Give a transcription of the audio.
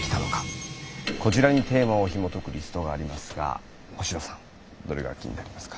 こちらにテーマをひもとくリストがありますが星野さんどれが気になりますか？